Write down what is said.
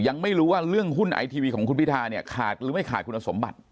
ยังไม่รู้ว่าเรื่องหุ้นไอทีวีของคุณพิธาเนี่ยขาดหรือไม่ขาดคุณสมบัติ